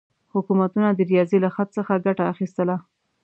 حکومتونه د ریاضي له خط څخه ګټه اخیستله.